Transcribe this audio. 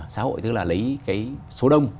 xã hội tức là lấy cái số đông